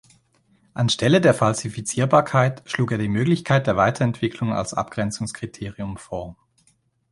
Anstelle der Falsifizierbarkeit schlug er die Möglichkeit der Weiterentwicklung als Abgrenzungskriterium vor.